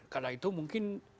karena itu mungkin